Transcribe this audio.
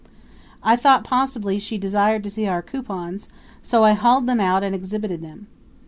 I thought possibly she desired to see our coupons, so I hauled them out and exhibited them.